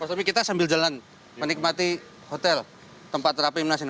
mas tommy kita sambil jalan menikmati hotel tempat rapi minas ini